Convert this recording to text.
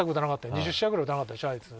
２０試合ぐらい打たなかったでしょ